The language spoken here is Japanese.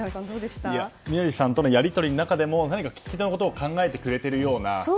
宮司さんとのやり取りでも何か聞き手のことを考えてくれているような。